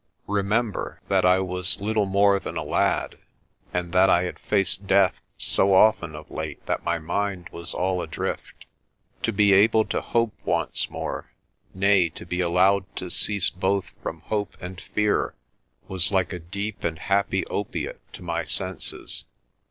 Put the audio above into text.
Re member that I was little more than a lad and that I had faced death so often of late that my mind was all adrift. To be able to hope once more, nay, to be allowed to cease both from hope and fear was like a deep and happy opiate to my senses.